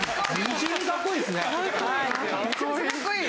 かっこいい！